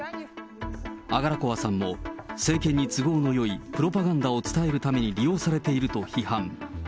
アガラコワさんも政権に都合のよいプロパガンダを伝えるために利用されていると批判。